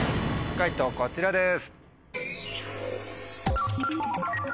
解答こちらです。